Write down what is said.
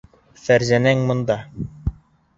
Фәрзәнәң бында!